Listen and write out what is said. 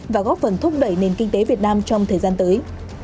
và góp phần thúc đẩy nền kinh tế việt nam trong thời gian tới